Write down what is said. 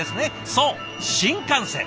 そう新幹線！